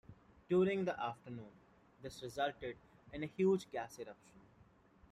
During the afternoon, this resulted in a huge gas eruption.